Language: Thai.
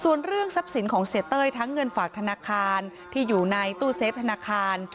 ส่วนเรื่องทรัพย์สินของเสียเต้ยทั้งเงินฝากธนาคารที่อยู่ในตู้เซฟธนาคาร